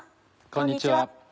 こんにちは。